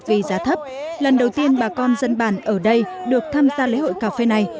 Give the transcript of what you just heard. cây cà phê giá thấp lần đầu tiên bà con dân bản ở đây được tham gia lễ hội cà phê này